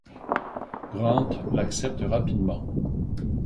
Grant l'accepte rapidement.